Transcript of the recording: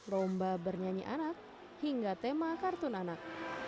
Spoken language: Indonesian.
lomba bernyanyi anak hingga tema kartun anak